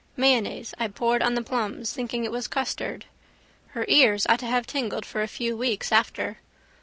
Mayonnaise I poured on the plums thinking it was custard. Her ears ought to have tingled for a few weeks after.